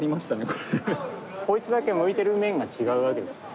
こいつだけ向いてる面が違うわけですよ。